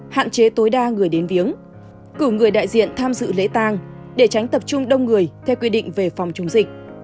hạn chế tối đa người đến viếng cử người đại diện tham dự lễ tang để tránh tập trung đông người theo quy định về phòng chống dịch